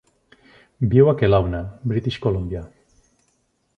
Viu a Kelowna, British Columbia.